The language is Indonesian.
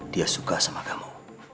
dia suka sama kamu